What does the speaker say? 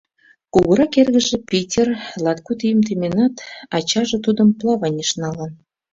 Кугурак эргыже, Питер, латкуд ийым теменат, ачаже тудым плаванийыш налын.